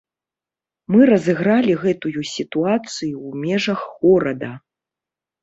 Мы разыгралі гэтую сітуацыю ў межах горада.